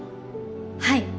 はい。